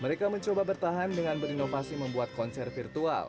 mereka mencoba bertahan dengan berinovasi membuat konser virtual